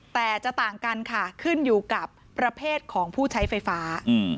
แต่จะต่างกันค่ะขึ้นอยู่กับประเภทของผู้ใช้ไฟฟ้า